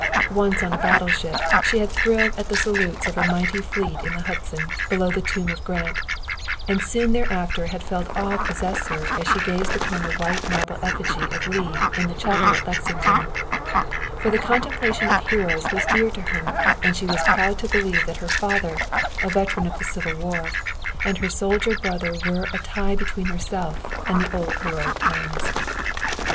Once on a battleship she had thrilled at the salutes of a mighty fleet in the Hudson below the tomb of Grant; and soon thereafter had felt awe possess her as she gazed upon the white marble effigy of Lee in the chapel at Lexington; for the contemplation of heroes was dear to her, and she was proud to believe that her father, a veteran of the Civil War, and her soldier brother were a tie between herself and the old heroic times.